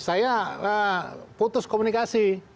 saya putus komunikasi